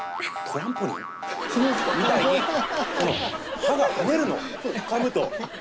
みたいに歯が跳ねるのかむと。